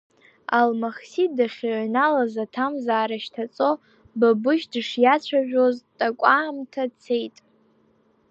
Алмахсиҭ дахьыҩналаз, аҭамзаара шьҭаҵо, Бабышь дышиацәажәоз такәаамҭа цеит.